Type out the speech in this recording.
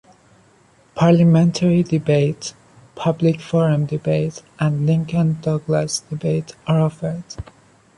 Parliamentary Debate, Public Forum Debate and Lincoln Douglas Debate are offered.